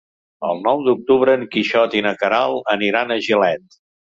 El nou d'octubre en Quixot i na Queralt aniran a Gilet.